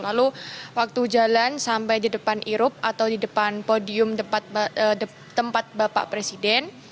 lalu waktu jalan sampai di depan irup atau di depan podium tempat bapak presiden